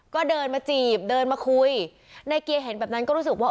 ก็เดินมาจีบเดินมาคุยในเกียร์เห็นแบบนั้นก็รู้สึกว่า